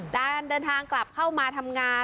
การเดินทางกลับเข้ามาทำงาน